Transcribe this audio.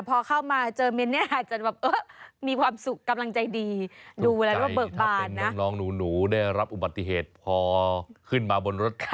พอเข้ามาเจอมิเนียนอาจารย์แบบ